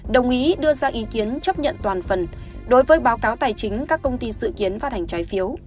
đồng ý đưa ra ý kiến chấp nhận toàn phần đối với báo cáo tài chính các công ty dự kiến phát hành trái phiếu